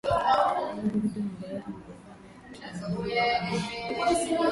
Alirudi Uingereza mara moja akiandamana na Hearne